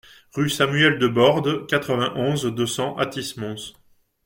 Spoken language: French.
Rue Samuel Debordes, quatre-vingt-onze, deux cents Athis-Mons